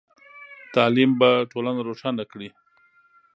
تعلیم به ټولنه روښانه کړئ.